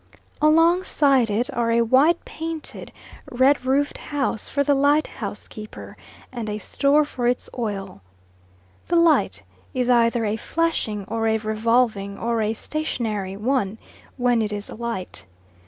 Alongside it are a white painted, red roofed house for the lighthouse keeper, and a store for its oil. The light is either a flashing or a revolving or a stationary one, when it is alight.